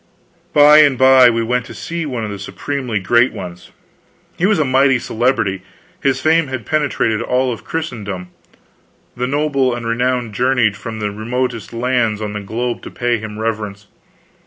By and by we went to see one of the supremely great ones. He was a mighty celebrity; his fame had penetrated all Christendom; the noble and the renowned journeyed from the remotest lands on the globe to pay him reverence.